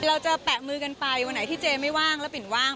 เราจะแปะมือกันไปวันไหนที่เจไม่ว่างแล้วปิ่นว่าง